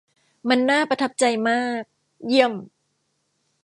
มันน่าประทับใจมาก เยี่ยม